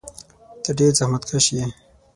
ته ډېر زحمتکښ یې.